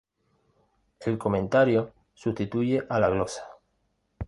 El comentario sustituye a la glosa.